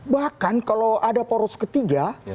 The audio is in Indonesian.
bahkan kalau ada poros ketiga